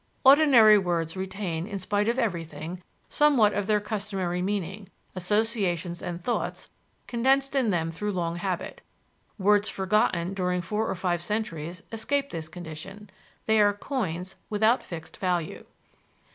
Ordinary words retain, in spite of everything, somewhat of their customary meaning, associations and thoughts condensed in them through long habit; words forgotten during four or five centuries escape this condition they are coins without fixed value.